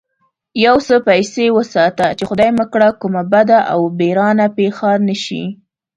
يو څه پيسې وساته چې خدای مکړه کومه بده و بېرانه پېښه نه شي.